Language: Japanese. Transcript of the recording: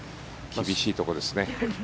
厳しいところですね。